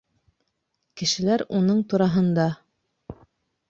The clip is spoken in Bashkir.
Кешеләр уның тураһында: